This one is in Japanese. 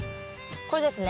これですね？